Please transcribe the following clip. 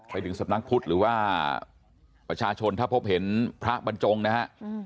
ไปถึงสำนักพุทธหรือว่าประชาชนถ้าพบเห็นพระบรรจงนะฮะ